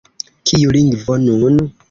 Kiu lingvo nun?